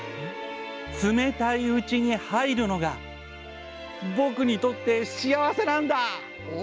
『冷たいうちに入るのが僕にとって幸せなんだ』。